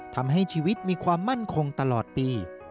ทำให้ชีวิตมีความมั่นคงตลอดปี